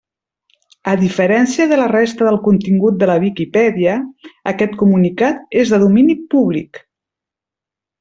A diferència de la resta del contingut de la Viquipèdia, aquest comunicat és de domini públic.